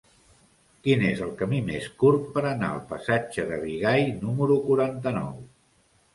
Quin és el camí més curt per anar al passatge de Bigai número quaranta-nou?